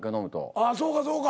ああそうかそうか。